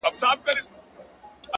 جوړ يمه گودر يم ماځيگر تر ملا تړلى يم;